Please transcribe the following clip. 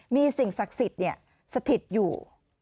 มีสิ่งศักดิ์สิทธิ์สถิตอยู่